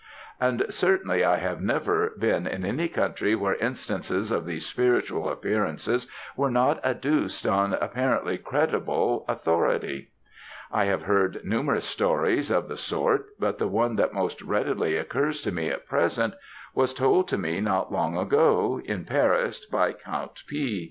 and, certainly, I have never been in any country where instances of these spiritual appearances were not adduced on apparently credible authority. I have heard numerous stories of the sort, but the one that most readily occurs to me at present, was told to me not long ago, in Paris, by Count P.